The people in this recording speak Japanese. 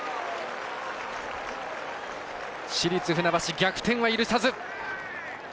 市立船橋、逆転は許さず。